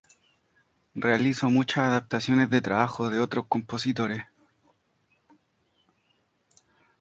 Realizó muchas adaptaciones de trabajos de otros compositores.